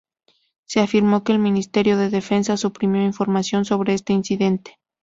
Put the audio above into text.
Se afirmó que el Ministerio de Defensa suprimió información sobre este incidente.